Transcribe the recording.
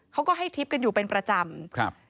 เขาก็ให้ทิบกันอยู่เป็นประจำ